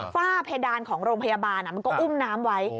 ฝ้าเพดานของโรงพยาบาลมันก็อุ้มน้ำไว้